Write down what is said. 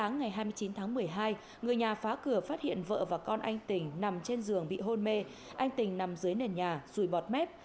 người nhà phá cửa phát hiện vợ và con anh tình nằm trên giường bị hôn mê anh tình nằm dưới nền nhà rùi bọt mép